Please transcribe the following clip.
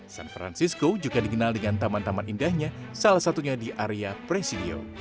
san francisco juga dikenal dengan taman taman indahnya salah satunya di area presidio